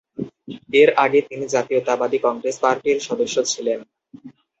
এর আগে তিনি জাতীয়তাবাদী কংগ্রেস পার্টির সদস্য ছিলেন।